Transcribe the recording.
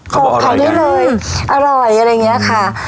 เขาบอกอร่อยขายได้เลยอร่อยอะไรอย่างเงี้ยค่ะ